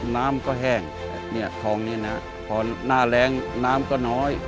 น้ำก็แห้งเนี่ยทองนี้นะพอหน้าแรงน้ำก็น้อย